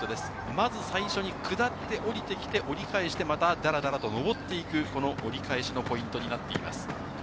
まず最初に下って下りてきて折り返して、またダラダラと上っていく、この折り返しのポイントになっています。